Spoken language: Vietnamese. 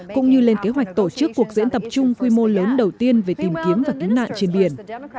cũng như lên kế hoạch tổ chức cuộc diễn tập chung quy mô lớn đầu tiên về tìm kiếm và cứu nạn trên biển